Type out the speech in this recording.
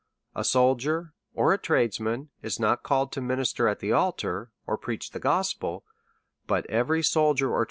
A soldier or a tradesman is not called to minister at the altar, or preach the gospel ; but every soldier or DEVOUT AND HOLY LIFE.